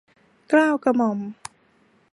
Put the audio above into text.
เกล้ากระหม่อม